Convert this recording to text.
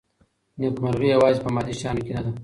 نيکمرغي يوازې په مادي شيانو کي نه ده.